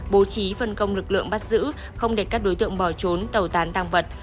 bố trí phân công lực lượng bắt giữ không để các đối tượng bỏ trốn tẩu tán tăng vật